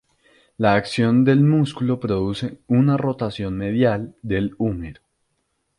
La acción del músculo produce la rotación medial del húmero.